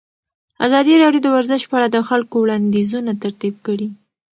ازادي راډیو د ورزش په اړه د خلکو وړاندیزونه ترتیب کړي.